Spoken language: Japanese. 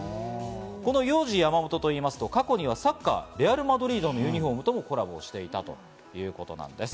このヨウジヤマモトと言いますと、過去にはサッカーのレアル・マドリードのユニフォームともコラボしていたということなんです。